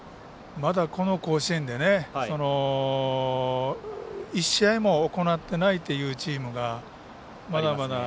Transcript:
まだ、この甲子園で１試合も行っていないというチームがまだまだね。